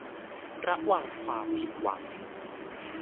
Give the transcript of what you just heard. ระวังความผิดหวัง